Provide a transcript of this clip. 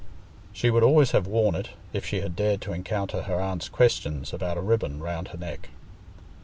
She would always have worn it, if she had dared to encounter her aunt's questions about a ribbon round her neck.